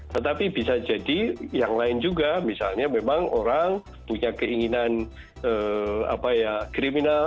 tetapi bisa jadi yang lain juga misalnya memang orang punya keinginan kriminal